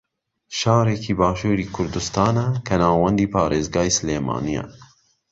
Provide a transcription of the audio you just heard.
شارێکی باشووری کوردستانە کە ناوەندی پارێزگای سلێمانییە